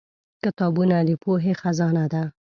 کتابونه د پوهې خزانه ده.